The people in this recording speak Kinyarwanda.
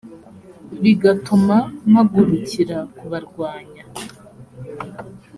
bigatuma mpagurukira kubarwanya